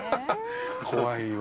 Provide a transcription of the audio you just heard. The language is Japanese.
怖いわ。